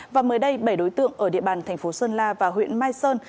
và mới đây bảy đối tượng ở địa bàn tp xuân la và huyện mai sơn